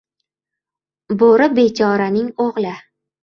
Bo‘ri bechoraning o‘g‘li!